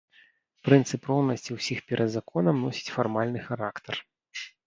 Прынцып роўнасці ўсіх перад законам носіць фармальны характар.